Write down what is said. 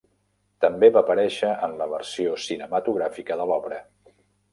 També va aparèixer en la versió cinematogràfica de l'obra.